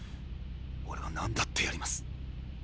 俺は何だってやります。